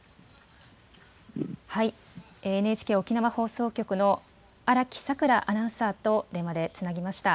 ＮＨＫ沖縄放送局の荒木さくらアナウンサーと電話でつなぎました。